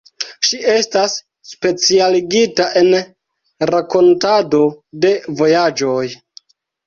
Ŝi estas specialigita en rakontado de vojaĝoj.